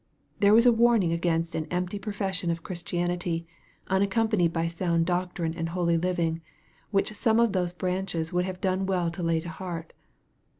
There was a warning against an empty pro fession of Christianity unaccompanied by sou ad doctrine and holy living, which some of those branches would have done well to lay to heart.